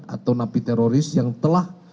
atau napiteroris yang telah